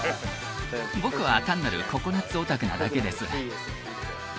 僕は単なるココナッツオタクなだけです